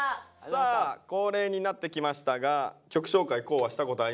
さあ恒例になってきましたが曲紹介光はしたことありますか？